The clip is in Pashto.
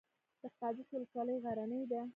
د قادس ولسوالۍ غرنۍ ده